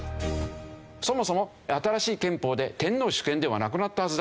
そもそも新しい憲法で天皇主権ではなくなったはずだ。